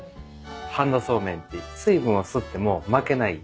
半田そうめんって水分を吸っても負けない。